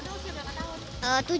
usia berapa tahun